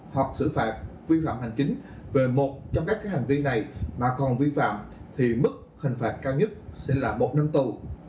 hoặc xử phạt vi phạm hành chính về một trong các hành vi này mà còn vi phạm thì mức hình phạt cao nhất sẽ là một năm tù